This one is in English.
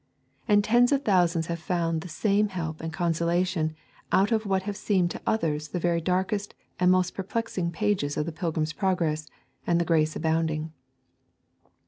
And tens of thousands have found the same help and consolation out of what have seemed to others the very darkest and most perplexing pages of the Pilgrim's Progress and the Grace Abounding.